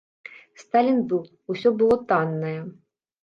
Сталін быў, усё было таннае.